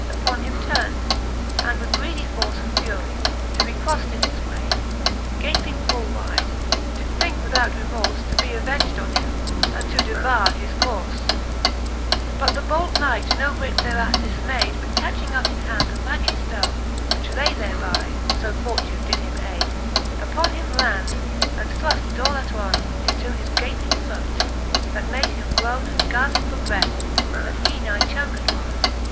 Upon him turned, and with greedie force And furie, to be croflcd in his way. Gaping full wyde, did thinke without remoric To be aveng'd on him, and to devoure his corfe, XXI. Bai; z64 7^6 f^t^ Booke of Cant. IV. XXI. But the bold knight no whit thereat dlfmayd, But catching up in hand a ragged ftone, Which lay thereby (fb fortune him did ayde) Upon him ran, and thruft it all attonc Into his gaping throte, that made him grone. And gafpe for breath, that he nigh choked was.